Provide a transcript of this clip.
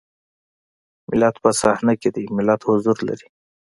ملت په صحنه کې دی ملت حضور لري.